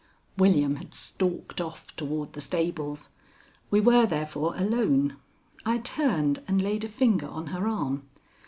William had stalked off toward the stables. We were therefore alone. I turned and laid a finger on her arm.